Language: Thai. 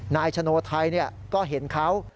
นายชโนไทยก็เห็นเขา